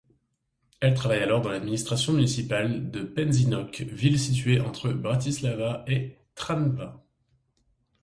Elle travaille alors dans l’administration municipale de Pezinok, ville située entre Bratislava et Trnava.